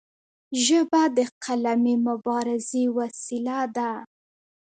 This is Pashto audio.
ژبه د قلمي مبارزې وسیله ده.